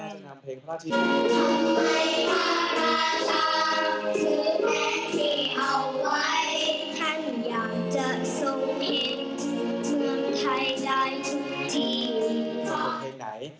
ทุกคนที่เอาไว้ท่านอยากจะสูงเห็นเมืองไทยได้ทุกที